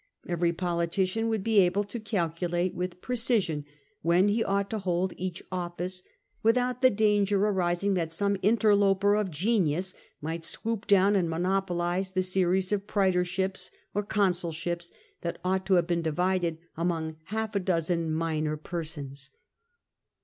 Every politician would be able to calculate with precision when he ought to hold each office, without the danger arising that some inter loper of genius might sweep down and monopolise the series of praetorships or consulships that ought to have been divided among half a dozen minor persons.